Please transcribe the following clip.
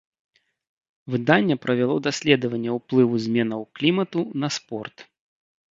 Выданне правяло даследаванне ўплыву зменаў клімату на спорт.